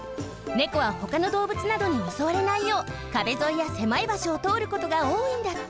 猫はほかのどうぶつなどにおそわれないよう壁沿いや狭い場所をとおることがおおいんだって。